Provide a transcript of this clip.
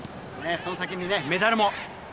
その先にね、メダルも。